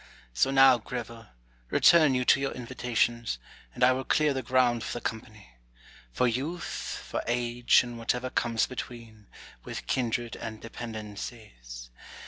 So now, Greville, return you to your invitations, and I will clear the ground for the company ; for Youth, for Age, and whatever comes between, with kindred and dependencies.